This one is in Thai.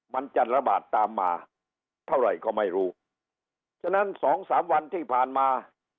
มันจะระบาดตามมาเท่าไหร่ก็ไม่รู้ฉะนั้นสองสามวันที่ผ่านมา